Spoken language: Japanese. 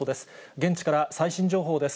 現地から最新情報です。